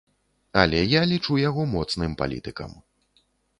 Але я лічу яго моцным палітыкам.